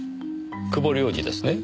久保亮二ですね。